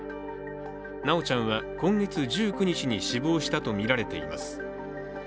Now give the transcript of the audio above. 修ちゃんは今月１９日に死亡したとみられています。